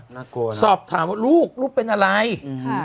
น่ากลัวสอบถามว่าลูกลูกเป็นอะไร